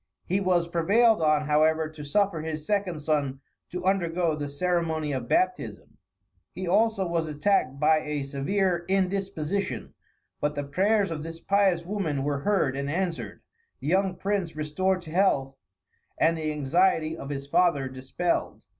He was prevailed on, however, to suffer his second son to undergo the ceremony of baptism. He also was attacked by a severe indisposition, but the prayers of this pious woman were heard and answered, the young prince restored to health, and the anxiety of his father dispelled.